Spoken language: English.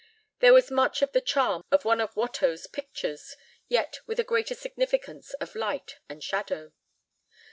There was much of the charm of one of Watteau's pictures, yet with a greater significance of light and shadow.